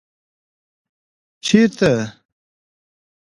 ـ چېرته؟